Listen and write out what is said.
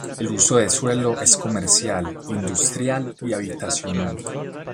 El uso de suelo es comercial, industrial y habitacional.